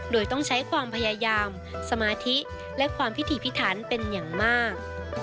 โดยต้องใช้ความพยายามสมาธิและความพิธีพิถันเป็นอย่างมาก